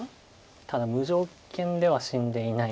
ただ無条件では死んでいないので。